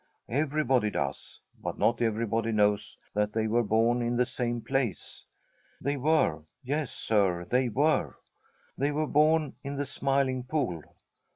Everybody does. But not everybody knows that they were born in the same place. They were. Yes, Sir, they were. They were born in the Smiling Pool.